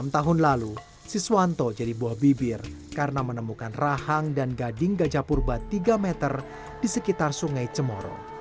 enam tahun lalu siswanto jadi buah bibir karena menemukan rahang dan gading gajah purba tiga meter di sekitar sungai cemoro